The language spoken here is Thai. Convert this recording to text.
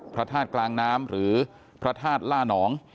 พระธาตุกลางน้ำหรือพระธาตุล่านอง